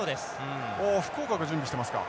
お福岡が準備してますか。